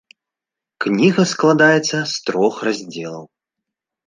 Кніга складаецца з трох раздзелаў.